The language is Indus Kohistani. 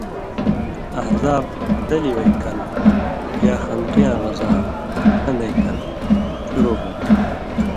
احزاب (ڈلی وَیں کل) یا خندقیاں غزا (کن٘دَیں کل) شُروع ہون٘دوۡ۔